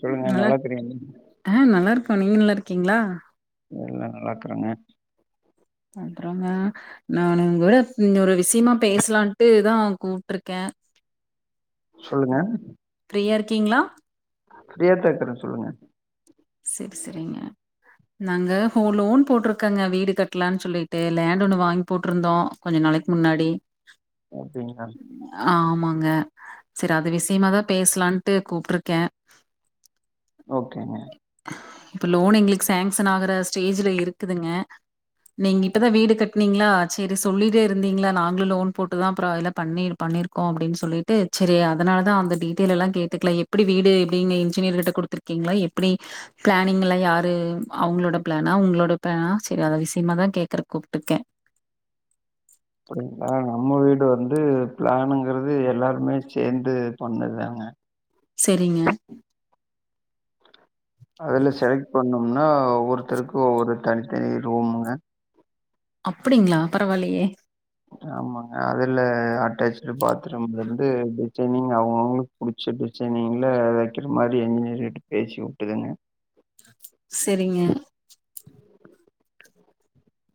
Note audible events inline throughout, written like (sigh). சொல்லுங்க நல்லா தெரியுங்க ஆ நல்லா இருக்கோ நீங்க நல்லா இருக்கீங்ளா எல்லா நல்லா இருக்குறாங்க அப்றோங்க நானுங் கூட இங்க ஒரு விசியமா பேசலான்ட்டுதா கூப்ட்ருக்கே சொல்லுங்க ஃபிரீயா இருக்கீங்ளா ஃப்ரியா தா இருக்கறே சொல்லுங்க சேரி சேரிங்க நாங்க ஹோ லோன் போட்ருக்கங்க வீடு கட்லான் சொல்லிட்டு லேண்ட் ஒன்னு வாங்கி போட்ருந்தோ கொஞ்ச நாளைக்கு முன்னாடி அப்டிங்ளா ஆமாங்க சேரி அது விஷ்யமாதா பேசலான்ட்டு கூப்ட்ருக்கே ஓகேங்க இப்ப லோன் எங்களுக்கு சாங்ஷசன் ஆகுற ஸ்டேஜுல இருக்குதுங்க நீங்க இப்பதா வீடு கட்னீங்ளா சேரி சொல்லிட்டே இருந்தீங்ளா நாங்களு லோன் போட்டுதா அப்ற அதுலா பண்ணீர் பண்ணிருக் கோ அப்டின் சொல்லிட்டு சேரி அதனால தா அந்த டீடேல் எல்லா கேட்டுக்கலா எப்டி வீடு எப்டிங்க இன்ஜினியர் கிட்ட குடுத்துக்கீங்ளா எப் ப்டி பிளானிங்குலா யாரு அவ்ங்களோட பிளானா உங்களோட பேனா சேரி அது விஷ்யமா தா கேக்கறக்கு கூப்ட்டுக்கே அப்டிங்ளா நம்ம வீடு வந்து பிளானுங்கிறது எல்லாருமே சேந்து பண்ணதுதாங்க செரிங்க அதுல செலக்ட் பண்ணம்னா ஒவ்வொருத்தருக்கு ஒவ்வொரு தனித்தனி ரூமுங்க அப்டிங்ளா பரவால்லையே ஆமாங்க அதுல அட்டாச்டு பாத்ரூம்ல இருந்து டிசைனிங் அவ்ங்கவுங்களுக் புடிச்ச டிசைனிங்ல வெக்கிற மாரி என்ஜினியரிட்ட பேசி வுட்டுதுங்க செரிங்க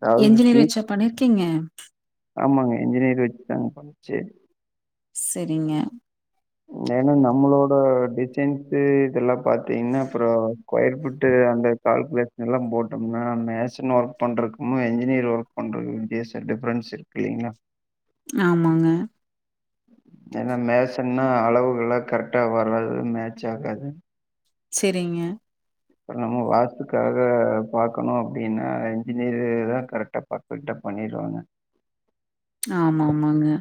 அதாவது என்ஜினியர் ஃபியூ வெச்சா பண்ணிருக்கீங்க ஆமாங்க இன்ஜினியர் வெச்சு தாங்க பண்ணோ சேரி செரிங்க ஏனா நம்மளோட டிசைன்க்கு இதெல்லா பாத்தீங்னா அப்றோ ஸ்கொயர்ஃபிட்டு அந்த எட் கால்குலேஷன்லா போட்டம்னா மேஷன் ஒர்க் பண்ணுறக்கும் இன்ஜினியர் ஒர்க் பண்ணுறது வித்தியாச இருக்கு டிஃப்ரென்ஸ் இருக் கேங்க ஆமாங்க ஏனா மேசன்னா அளவுகள்லா கரெக்டா வராது மேட்ச் ஆகாது செரிங்க அப்றோ நம்ம வாஸ்த்துக்காக பாக்கணு அப்டின்னா இன்ஜினியரு தா கரெக்டா பாக்க விட்டா பண்ணிருவாங்க ஆமா ஆமாங்க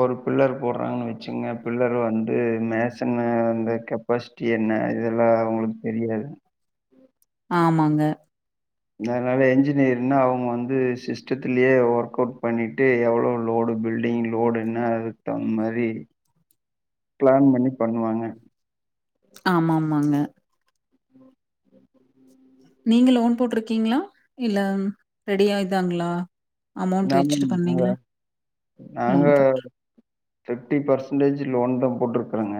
ஒரு பில்லர் போட்றாங்கன் வெச்சுங்க பில்லர் வந்து மேசன அந்த கெப்பாசிட்டி என்ன இதெல்லா அவ்ங்களுக்கு தெரியாது ஆமாங்க என்ன அதனால என்ஜினியர்னா அவ்ங்க வந்து சிஸ்டத்துலே ஒர்க் அவுட் பண்ணிட்டு எவ்வளவு லோடு பில்டிங்கு லோடு என்ன அதுக்கு தகுந்த மாரி பிளான் பண்ணி பண்ணுவாங்க ஆமாம்மாங்க நீங்க லோன் போட்டிருக்கீங்களா இல்ல ரெடி ஆய்தாங்களா ஆமாங்க நாங்க லோன் போட்டு ஃபிஃப்டி பர்சன்டேஜ் லோன் தான் போட்டிருக்கறேங்க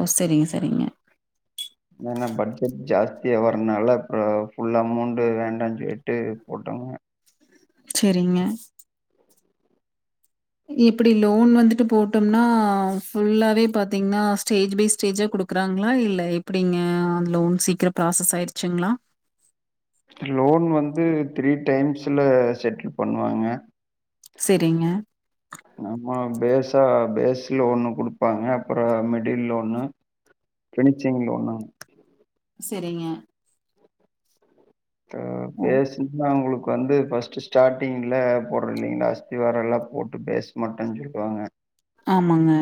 ஓ செரிங்க செரிங்க ஏன்னா பட்ஜெட் ஜாஸ்தியா வர்துனால ஃபுல் அமௌண்ட் வேண்டாம் சொல்லிட்டு போட்டோங்க செரிங்க இப்டி லோன் வந்துட்டு போட்டோம்னா ஃபுல்லாவே பாத்தீங்கன்னா ஸ்டேஜ் பை ஸ்டேஜா குடுக் க்குறாங்களா இல்ல எப்டிங்க அந்த லோன் சீக்கிரம் ப்ராசஸ் ஆயிர்ச்சிங்களா லோன் வந்து த்ரீ டைம்ஸில செட்டில் பண்ணுவாங்க செரிங்க நம்ம பேஸா பேஸ் லோன்னு குடுப்பாங்க அப்றம் மிடில்ல ஒன்னு கணிச்சங் லோனா செரிங்க அத ஓ! பேஸ் சும்மா அவுங்களுக்கு வந்து பஸ்ட் ஸ்டாடிங்ல போடுற இல்லைங்களா அஸ்தி வாரம் எல்லாம் போட்டுட்டு பேஸ் மாட்டேன் சொல்லிபுடுவாங்க ஆமாங்க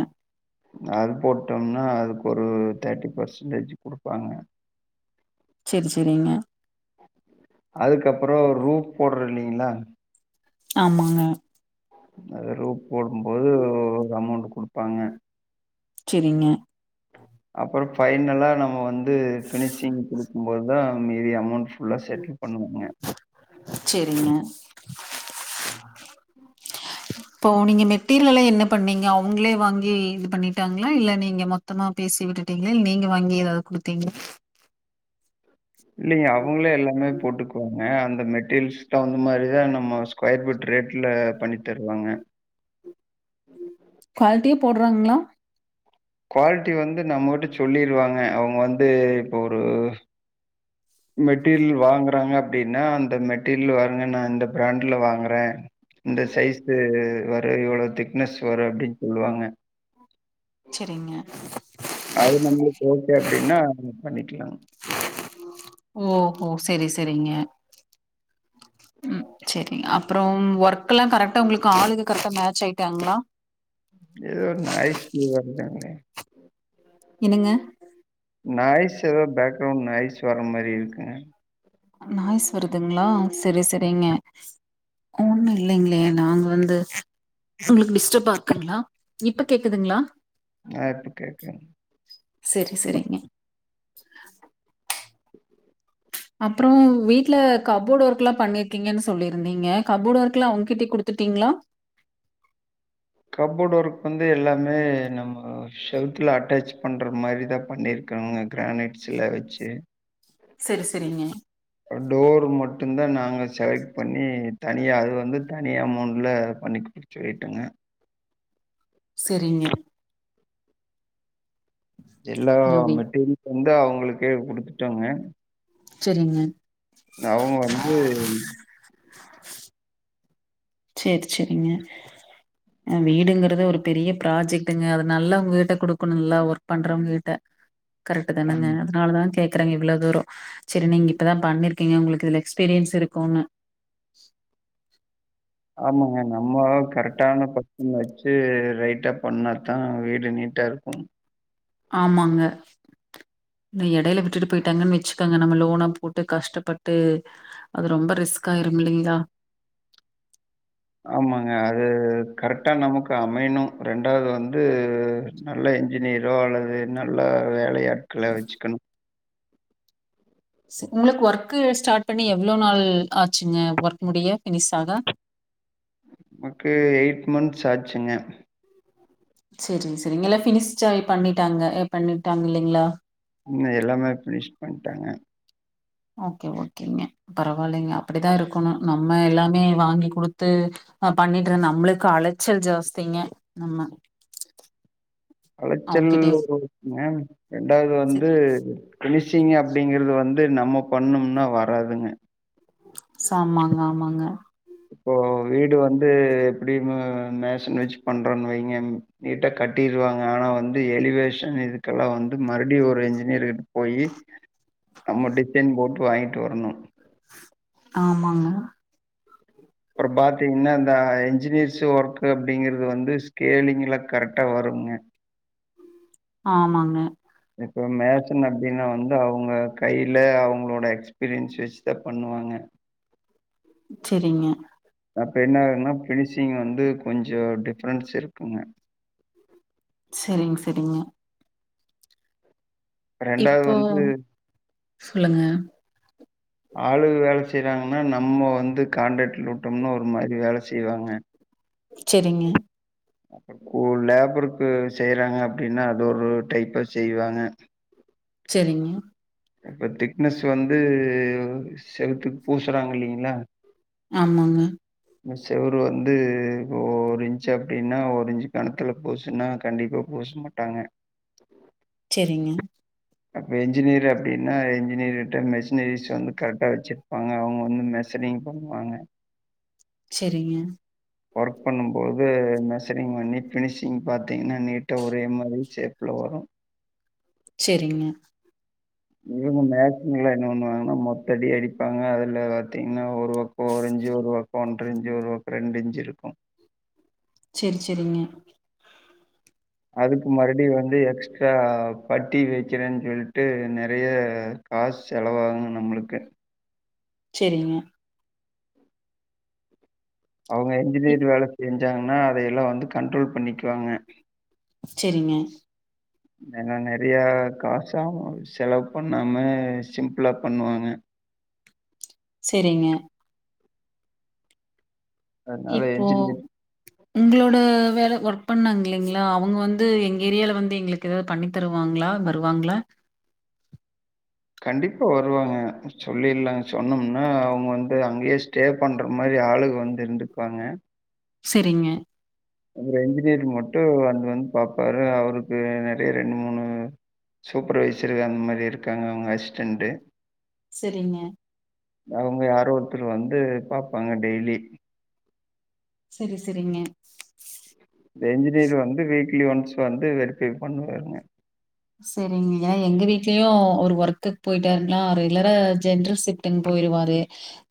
அது போட்டோம்னா அதுக்கு ஒரு தேர்ட்டி பர்சன்டேஜ் குடுப்பாங்க சேர் சேரிங்க அதுக்கப்பறோ ஒரு ரூப் போடுற இல்லைங்களா ஆமாங்க அது ரூப் போடும்போது ஒரு அமௌண்ட் குடுப்பாங்க சரிங்க, அப்பறம் பைனலா நம்ம வந்து பினிஷிங் கொடுக்கும்போதுதான் மீதி அமௌண்ட் ஃபுல்லா செட்டில் பண்ணுவாங்க செரிங்க ம் இப்போ நீங்க மெட்டீரியல என்ன பண்ணீங்க அவங்களே வாங்கி இது பண்ணிட்டாங்களா இல்ல நீங்க மொத் மொத்தமா பேசி விட்டுட்டீங்களே இல்ல நீங்க வாங்கி ஏதாவது குடுத்தீங்களா இல்லங்க அவங்களே எல்லாமே போட்டுக்குவாங் க அந்த மெட்டீரியல்ஸ் தகுந்த மாரி தான் நம்ம ஸ்கொயர் ஃபீட் ரேட்ல பண்ணி தருவாங்க குவாலிட்டியா போடுறாங்களா குவாலிட்டி வந்து நம்மட்ட சொல்லிருவாங்க அவுங்க வந்து இப்போ ஒரு மெட்டீரியல் வாங்குறாங்க அப்டின்னா அந்த மெட்டீரியல் வாங்க நான் இந்த பிராண்ட்ல வாங்குறேன் இந்த சைஸ்ு வரும் இவ்ளோ திக்னஸ் வரும் அப்டின்னு சொல்லுவாங்க செரிங்க அது நம்மளுக்கு ஓகே அப்டின்னா பண்ணிக்கலாம் ஓ ஓ செரி செரிங்க ம் செரி அப்புறம் ஒர்க்ல்லாம் கரெக்டா உங்களுக்கு ஆளுங்க கரெக்டா மேட்ச் ஆயிட்டாங்களா ஏதோ ஒரு நாய்ஸ் மூவாகுதுங்களே என்னங்க நாய்ஸ் ஏதோ பேக்ரவுண்ட் நாய்ஸ் வர்ர மாரி இருக்குங்க நாய்ஸ் வருதுங்களா செரி செரிங்க ஒண்ணும் இல்லைங்களே நாங்க வந்து உங்களுக்கு டிஸ்டர்பா இருக்குங்களா இப்ப கேக்குதுங்களா ஆ இப்ப கேக்குதுங் சரி சரிங்க அப்பறோ வீட்ல கபோர்டு ஒர்க்லா பண்ணிருக்கீங்கன் சொல்லிருந்தீங்க கபோர்டு ஒர்க்லா அவ்ங்கிட்டே குடுத்துட்டீங்ளா? கப்போர்ட் ஒர்க் வந்து எல்லாமே நம்ம செவுத்துல அட்டாச் பண்ற மாரி தா பண்ணிருக் கு அவ்ங்க கிரானைட்ஸ்ல வச்சு சரி சரிங்க டோர் மட்டுந்தா நாங்க செலக்ட் பண்ணி தனியா அது வந்து தனி அமொண்ட்ல பண்ணி குடுக்க சொல்லிட்டங்க சரிங்க எல்லா நவி மெட்டீரியல்ஸ் வந்து அவங்ளுக்கே குடுத்துட்டோங்க சரிங்க அவுங்க வந்து செர் சரிங்க உ (inaudible) அ வீடுங்றது ஒரு பெரிய ப்ராஜெக்ட்டுங்க அது நல்லவுங்க கிட்ட குடுக்கணுல்ல நல்லா ஒர்க் பண்றவங்க கிட்ட கரெக்ட் தானங்க ம். அதனாலதா கே க்றங்க இவ்ளோ தூரோ சரி நீங்க இப்பதா பண்ணிருக்கீங்க உங்களுக்கு இதுல எக்ஸ்பீரியன்ஸ் இருக்குனு ஆமாங்க நம்ற அளவுக்கு கரெக்டான பர் சன வச்சு ரைட்டா பண்ணாதா வீடு நீட்டா இருக்கு ஆமாங்க இந்த எடைல விட்டுட்டு போயிட்டாங்கன் வச்சுக்கங்க நம்ம லோன போட்டு கஷ்டப்பட்டு அது ரொம்ப ரிஸ்கா ஆயிரும் இல்லைங்ளா ஆமாங்க அது கரெக்ட்டா நமக்கு அமையணு ரெண்டாவது வந்து நல்ல இன்ஜினியரோ அல்லது நல்ல வேலையாட்கள வச்சுக்கணு உங்களுக்கு ஒர்க்கு ஸ்டார்ட் பண்ணி எவ்ளோ நாள் ஆச்சுங்க ஒர்க் முடிய ஃபினிஷ் ஆக நமக்கு எயிட் மன்த்ஸ் ஆச்சுங்க சரிங்க சரிங்க எல்லா ஃபினிஷ்ட்டாய் பண்ணிட்டாங்க ஏ பண்ணிட்டாங்க இல்லைங்ளா இன்னு எல்லாமே ஃபினிஷ் பண்ட்டாங்க ஓகே ஓகேங்க பரவாலைங்க அப்படிதா இருக்கணு நம்ம எல்லாமே வாங்கி குடுத்து அ பண்ணிட்ற நம்ளுக்கு அலச்சல் ஜாஸ்திங்க நம்ம அலச்சல் அவங்ககிட்டயும் வரு மேம் ரெண்டாவது சரி. வந்து ஃபினிஷிங் அப்டிங்றது வந்து நம்ம பண்ணும்னா வராதுங்க ஆமாங்க ஆமாங்க இப்போ வீடு வந்து எப்டிமு மேஷன் வச்சு பண்றோன் வைங்க நீட்டா கட்டிருவாங்க ஆனா வந்து எலிவேஷன் இதுக்கெல்லா வந்து மறுடியு ஒரு என்ஜினியர் கிட்ட போயி நம்ம டிசைன் போட்டு வாங்கிட்டு வரணு ஆமாங்க அப்றோ பாத்தீங்னா இந்த என்ஜினியர்ஸ் ஒர்க்கு அப்டிங்றது வந்து ஸ்கேலிங்க்லா கரெக்ட்டா வரும்ங்க ஆமாங்க இப்போ மேசன்அப்டின்னா வந்து அவுங்க கைல அவுங்களோட எக்ஸ்பீரியன்ஸ் வச்தா பண்ணுவாங்க உ சரிங்க அப்போ என்ன ஆகுங்னா ஃபினிஷிங் வந்து கொஞ்சோ டிஃப்ரென்ஸ் இருக்குங்க சரிங் சரிங்க இப்போ வந்து ஆளுக வேல செய்றாங்கன்னா நம்ம வந்து காண்ட்ரக்ட்ல விட்டோம்னு ஒரு மாதரி வேல செய்வாங்க செரிங்க ஒரு லேபருக்கு செய்றாங்க அப்டின்னா அது ஒரு டைப்பா செய்வாங்க செரிங்க இப்ப திக்னஸ் வந்து செவுத்துக்கு பூசுறாங்க இல்லலிங்ளா ஆமாங்க இந்த செவரு வந்து ஒரு இன்ச்சு அப்டின்னா ஒரு இஞ்சு கணத்துல போச்சுன்னா கண்டிப்பா பூஷ் மட்டாங்க செரிங்க அப்ப என்ஜினியர் அப் அப்டின்னா இன்ஜினியர்கிட்ட மெஷினரிஸ் வந்து கரெக்டா வச்சிர்ப்பாங்க அவங்க வந்து மெஷரிங் பண்ணுவாங்க செரிங்க ஒர்க் பண்ணும்போது மெஷரிங் பண்ணி ஃபினிஷிங் பாத்தீங்கன்னா நீட்டா ஒரே மாரி ஷேப்புல வரு செரிங்க இவுங்க மேச்சிங்ல என்ன பண்ணுவாங்கன்னா மொத்தடி அடிப்பாங்க அதுல பாத்தீங்ன்னா ஒரு பக் ஓரிஞ்சி ஒருபக்கொ ஒன்றஞ்சி ஒருபக்கொ ரெண்டிஞ்சி இருக்கூ செரி செரிங்க அதுக்கு மறுடி வந்து எக்ஸ்ட்ரா பட்டி வக்கிறேன் சொல்ட்டு நெறைய காஸ் செலவாகு நம்ளுக்கு செரிங்க அவுங்க இன்ஜினியர் வேல செஞ்சாங்கன்னா அதையெல்லா வந்து கண்ட்ரோல் பண்ணிக்குவாங்க செரிங்க ஏனா நெறையா காசாவு செலவு பண்ணாம சிம்பிளா பண்ணுவாங்க செரிங்க அதனால இப்போ என்ஜினியர் உங்ளோட வேல ஒர்க் பண்ணாங்க இல்லைங்ளா அவுங்க வந்து எங்க ஏரியால வந்து எங்ளுக் க்கு எதாவ்து பண்ணி தருவாங்ளா வருவாங்ளா கண்டிப்பா வருவாங்க சொல்லிலா சொன்னம்னா அவுங்க வந்து அங்கேயே ஸ்டே பண்ற மாரி ஆளுக வந்து இருந்திருப்பாங்க செரிங்க அப்புற இன்ஜினியர் மட்டு வந்து வந்து பாப்பாரு அவருக்கு நெறைய ரெண்டு மூணு சூப்பரவைசரு அந் மாரி இருக்காங்க அவுங்க அசிஸ்டன்ட்டு செரிங்க அவுங்க யாரோ ஒருத்தரு வந்து பாப்பாங்க டெய்லி செரி செரிங்க இந்த இன்ஜினியர் வந்து வீக்லி ஒன்ஸ் வந்து வெரிஃபை பண்ணுவாருங்க செரிங்க ஏனா எங்க வீட்லயு அவுரு ஒர்க்குக் போய்ட்டாருனா ரெகுலரா ஜென்ரல் ஷிஃப்ட் ட்டுன் போயிருவாரு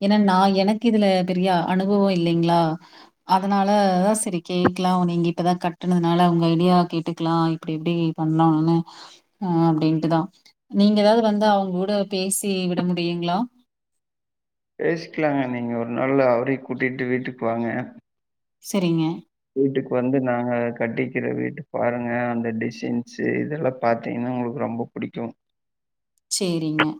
ஏனா நா எனக்கு இதுல பெரிய அனுபவொ இல்லைங்ளா அதனால சரி கேக்லா நீங்க இப்ப தா கட்னதுனால உங்க ஐடியா கேட்டுக்லா அப்டி இப்டி பண்லான்னு அ அப்டின்ட்டுதா நீங்க எதாவ்து வந்து அவுங்க கூட பேசி விட முடியுங்ளா பேசிக்லாங்க நீங்க ஒரு நாள்ள அவரையு கூட்டிட்டு வீட்டுக்கு வாங்க செரிங்க வீட்டுக்கு வந்து நாங்க கட்டிக்கிற வீட்டு பாருங்க அந்த டிசைன்ஸு இதெல்லாம் பாத்தீங்கன்னா உங்களுக்கு ரொம்பொ புடிக்கும் செரிங்க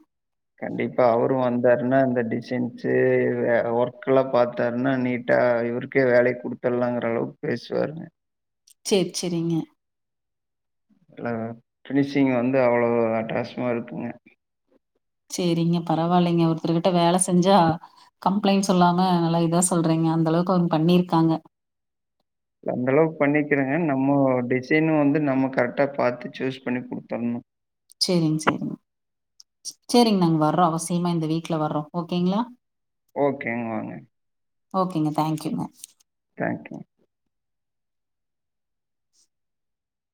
கண்டிப்பா அவரும் வந்தாருன்னா இந்த டிசைன்ஸு வேற ஒர்க்கல்லா பாத்தாருன்னா நீட்டா இவரு க்கே வேலையக் குடுத்துர்ல்லாங்குற அளவுக்கு பேசுவாருங்க செர்ரி செரிங்க ஆ ஃபினிஷிங் வந்து அவ்ளோ அட்டகாசமா இருக்குங்க செரிங்க பரவாயில்லைங்க ஒருத்தர்கிட்ட வேல செஞ்சா கம்ப்ளைண்ட் சொல்லாம நல்லா இதா சொல்றீங்க அந்த அளவுக்கு அவங்க பண்ணிருக்காங்க அந்தளவுக்கு பண்ணிக்கிறே நம்ம டிசைனும் வந்து நம்ம கரெக்டா பார்த்து சூஸ் பண்ணி குடுத்துர்ணு செர்ரிங்க செர்ரிங்க செரிங்க நாங்க வர்றோ அவசியமா இந்த வீக்குல வர்றோ ஓகேங்களா ஓகேங்க வாங்க ஓகேங்க தேங்க்யூங்க தேங்க் யூ